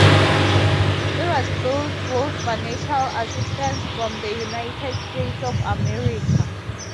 It was built with financial assistance from the United States of America.